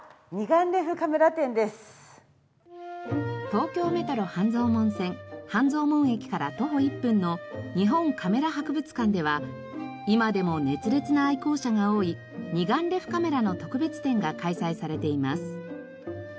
東京メトロ半蔵門線半蔵門駅から徒歩１分の日本カメラ博物館では今でも熱烈な愛好者が多い二眼レフカメラの特別展が開催されています。